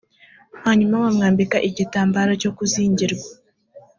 hanyuma bamwambika igitambaro cyo kuzingirwa